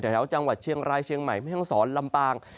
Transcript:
แถวจังหวัดเชียงรายเชียงใหม่แม่ห้องศรลำปาง